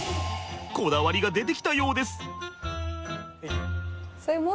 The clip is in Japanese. こだわりが出てきたようです。